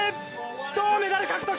銅メダル獲得！